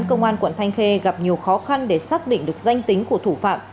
công an quận thanh khê gặp nhiều khó khăn để xác định được danh tính của thủ phạm